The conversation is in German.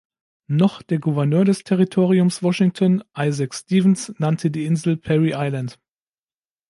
Noch der Gouverneur des Territoriums Washington, Isaac Stevens, nannte die Insel "Perry Island".